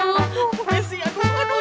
bu messi aku berhenti